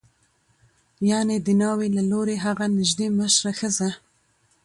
یعنې د ناوې له لوري هغه نژدې مشره ښځه